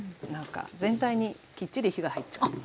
なんか全体にきっちり火が入っちゃう。